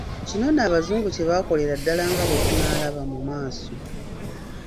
Kino nno Abazungu kye baakolera ddala nga bwe tunaalaba mu maaso.